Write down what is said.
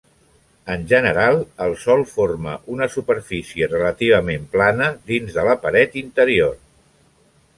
En general, el sòl forma una superfície relativament plana dins de la paret interior.